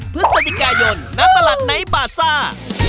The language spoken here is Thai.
พฤศจิกายนณตลาดไนท์บาซ่า